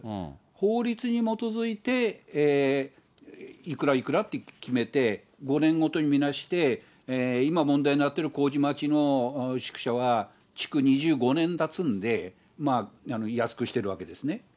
法律に基づいていくらいくらって決めて、５年ごとに見直しして、今問題になっている麹町の宿舎は、築２５年たつんで安くしてるわけですね。